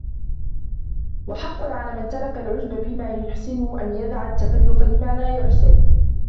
وَحَقٌّ عَلَى مَنْ تَرَكَ الْعُجْبَ بِمَا يُحْسِنُ أَنْ يَدَعَ التَّكَلُّفَ لِمَا لَا يُحْسِنُ